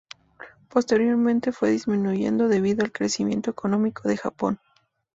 Posteriormente, fue disminuyendo, debido al crecimiento económico del Japón.